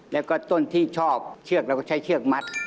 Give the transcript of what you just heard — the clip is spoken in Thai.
แล้วก็ต้นที่ชอบเชือกเราก็ใช้เชือกมัด